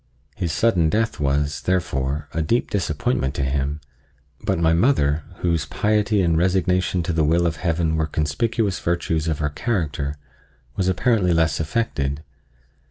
His sudden death was, therefore, a deep disappointment to him; but my mother, whose piety and resignation to the will of Heaven were conspicuous virtues of her character, was apparently less affected.